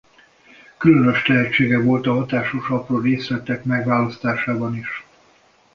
Különös tehetsége volt a hatásos apró részletek megválasztásában is.